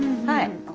はい。